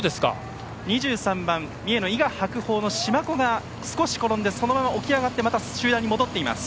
２３番、三重の伊賀白鳳の島子が少し転んでそのまま起き上がってまた集団に戻っています。